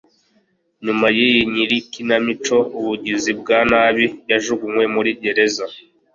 Nyuma yiyi nyiri ikinamico ubugizi bwa nabi yajugunywe muri gereza